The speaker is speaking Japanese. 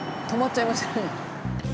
止まっちゃいましたね。